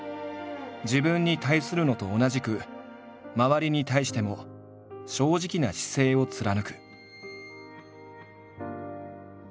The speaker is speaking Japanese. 自分に対するのと同じく周りに対しても正直な姿勢を貫く。